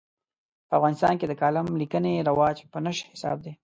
په افغانستان کې د کالم لیکنې رواج په نشت حساب دی.